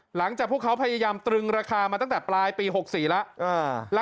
หลังจากพวกเขาพยายามตรึงราคามาตั้งแต่ปลายปี๖๔แล้ว